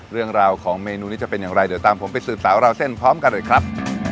เรื่องราวของเมนูนี้จะเป็นอย่างไรเดี๋ยวตามผมไปสืบสาวราวเส้นพร้อมกันเลยครับ